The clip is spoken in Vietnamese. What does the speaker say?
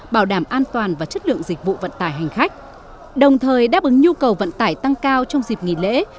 bảo đảm an toàn và chất lượng dịch vụ vận tải hành khách đồng thời đáp ứng nhu cầu vận tải tăng cao trong dịp nghỉ lễ